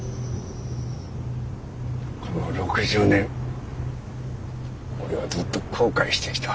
この６０年俺はずっと後悔してきた。